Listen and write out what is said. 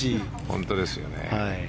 本当ですよね。